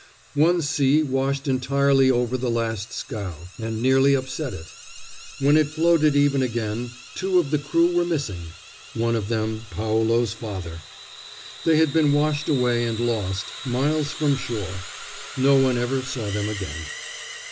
One sea washed entirely over the last scow and nearly upset it. When it floated even again, two of the crew were missing, one of them Paolo's father. They had been washed away and lost, miles from shore. No one ever saw them again.